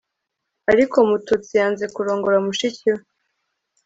ariko mututsi yanze kurongora mushiki we